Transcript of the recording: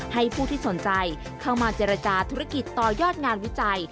ให้ผู้ที่สนใจเข้ามาเจรจาธุรกิจต่อยอดงานวิจัย